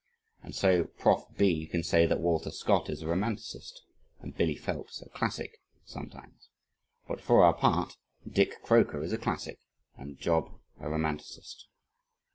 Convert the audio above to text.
And so Prof. B. can say that Walter Scott is a romanticist (and Billy Phelps a classic sometimes). But for our part Dick Croker is a classic and job a romanticist.